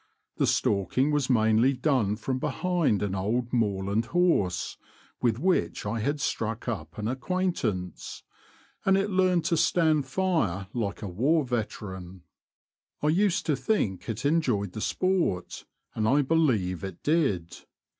The stalking was mainly done from behind an old moorland horse, with which I had struck up an acquaintance ; and it learned to stand fire like a war veteran. I used to think it enjoyed the sport, and I believe it did.